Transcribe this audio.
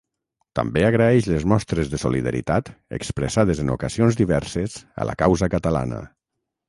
També agraeix les mostres de solidaritat expressades en ocasions diverses a la causa catalana.